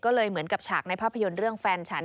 ก็เลยเหมือนกับฉากในภาพยนตร์เรื่องแฟนฉัน